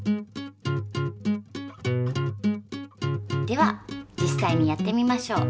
では実さいにやってみましょう。